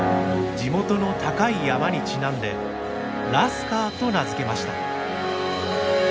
地元の高い山にちなんで「ラスカー」と名付けました。